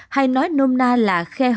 hay nói nôm na là khiến đau đớn